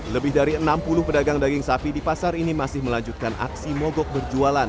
lebih dari enam puluh pedagang daging sapi di pasar ini masih melanjutkan aksi mogok berjualan